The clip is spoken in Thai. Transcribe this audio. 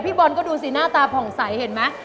บอลก็ดูสิหน้าตาผ่องใสเห็นไหม